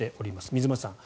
水町さん